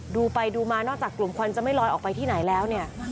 ดูไปดูมานอกจากกลุ่มควันจะไม่ลอยออกไปที่ไหนแล้วเนี่ย